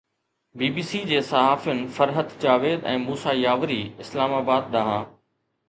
بي B C جي صحافين Farhat Javed ۽ Musa Yawari, Islamabad ڏانهن